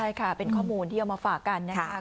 ใช่ค่ะเป็นข้อมูลที่เอามาฝากกันนะคะ